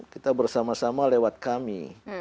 kita bersama sama lewat kami